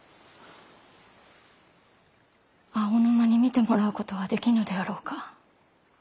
青沼に診てもらうことはできぬであろうか。